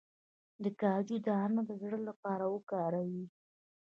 د کاجو دانه د زړه لپاره وکاروئ